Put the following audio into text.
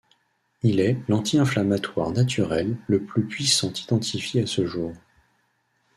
Il est l'anti-inflammatoire naturel le plus puissant identifié à ce jour.